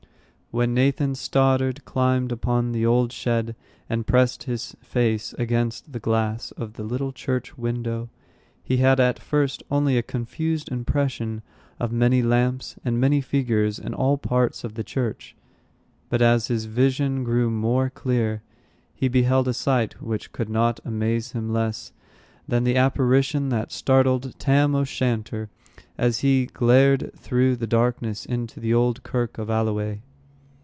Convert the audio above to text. When Nathan Stoddard climbed upon the old shed and pressed his face against the glass of the little church window, he had at first only a confused impression of many lamps and many figures in all parts of the church. But as his vision grew more clear, he beheld a sight which could not amaze him less than the apparition that startled Tam o' Shanter as he glared through the darkness into the old Kirk of Alloway.